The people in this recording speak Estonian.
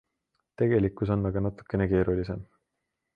Tegelikkus on aga natukene keerulisem.